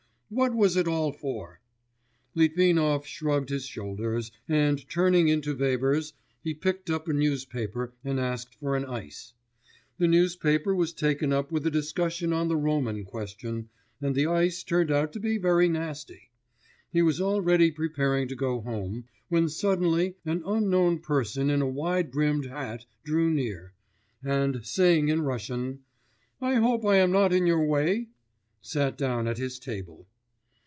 What was it all for?' Litvinov shrugged his shoulders, and turning into Weber's, he picked up a newspaper and asked for an ice. The newspaper was taken up with a discussion on the Roman question, and the ice turned out to be very nasty. He was already preparing to go home, when suddenly an unknown person in a wide brimmed hat drew near, and saying in Russian: 'I hope I am not in your way?' sat down at his table.